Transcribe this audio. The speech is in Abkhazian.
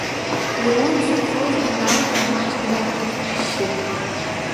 Леон дзыԥхьоз даналга маҷк дааԥышәырччеит.